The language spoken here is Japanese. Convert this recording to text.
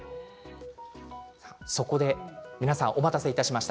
そこで皆さんお待たせいたしました。